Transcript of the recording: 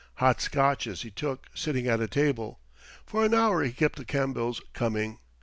Hot Scotches he took, sitting at a table. For an hour he kept the Campbells coming.